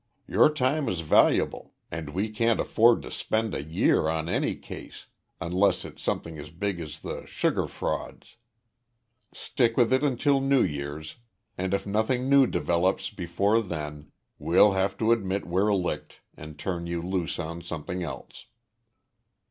Your time is valuable and we can't afford to spend a year on any case unless it's something as big as the sugar frauds. Stick with it until New Year's, and if nothing new develops before then we'll have to admit we're licked and turn you loose on something else."